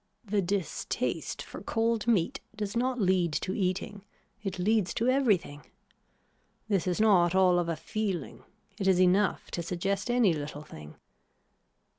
The distaste for cold meat does not lead to eating. It leads to everything. This is not all of a feeling. It is enough to suggest any little thing.